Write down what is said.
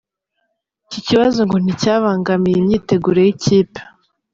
Iki kibazo ngo nticyabangamiye imyiteguro y’ikipe.